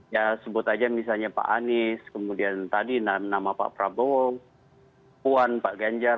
ya sebut aja misalnya pak anies kemudian tadi nama pak prabowo puan pak ganjar